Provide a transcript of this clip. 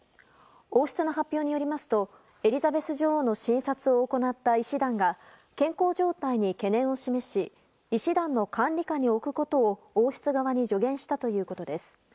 王室の発表によりますとエリザベス女王の診察を行った医師団が健康状態に懸念を示し医師団の管理下に置くことを王室側に助言したということです。